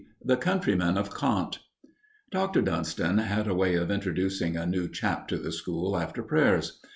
THE COUNTRYMAN OF KANT Dr. Dunston had a way of introducing a new chap to the school after prayers.